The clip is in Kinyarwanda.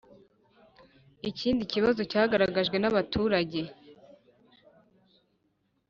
ikindi kibazo cyagaragajwe n’ abaturage